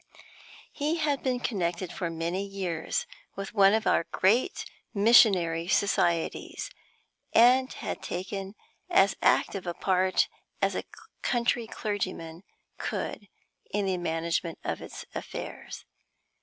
He had been connected for many years with one of our great Missionary Societies, and had taken as active a part as a country clergyman could in the management of its affairs.